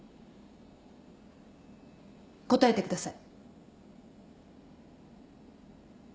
答えてください。